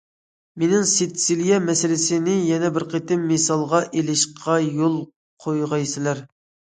مېنىڭ سىتسىلىيە مەسىلىسىنى يەنە بىر قېتىم مىسالغا ئېلىشىمغا يول قويغايسىلەر!